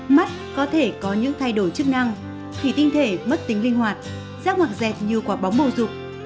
mắt có thể có những thay đổi chức năng thủy tinh thể mất tính linh hoạt giác hoặc dẹt như quả bóng bầu dục